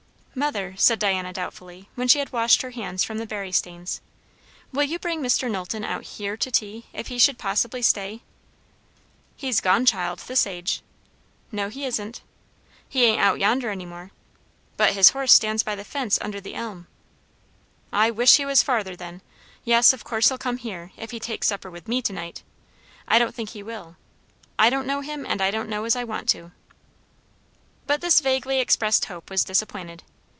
"Mother," said Diana doubtfully, when she had washed her hands from the berry stains, "will you bring Mr. Knowlton out here to tea, if he should possibly stay?" "He's gone, child, this age." "No, he isn't." "He ain't out yonder any more." "But his horse stands by the fence under the elm." "I wish he was farther, then! Yes, of course he'll come here, if he takes supper with me to night. I don't think he will. I don't know him, and I don't know as I want to." But this vaguely expressed hope was disappointed.